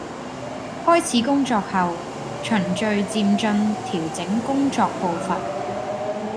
開始工作後，循序漸進調整工作步伐